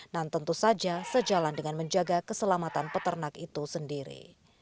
dan tentu saja sejalan dengan menjaga keselamatan peternak itu sendiri